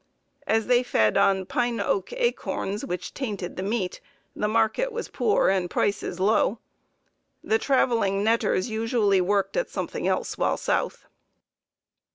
As they fed on pine oak acorns, which tainted the meat, the market was poor and prices low. The traveling netters usually worked at something else while South.